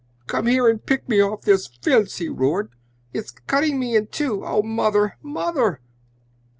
"Come here and pick me off this fence!" he roared. "It's cutting me in two! Oh, Mother! Mother!"